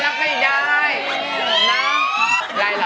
หนังตัวเองมันไม่ดีเลยนะ